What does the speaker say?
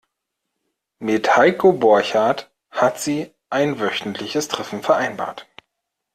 Mit Heiko Borchert hat sie ein wöchentliches Treffen vereinbart.